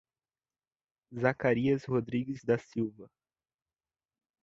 Zacarias Rodrigues da Silva